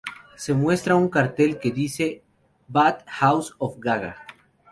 Se muestra un cartel que dice "Bath Haus of GaGa".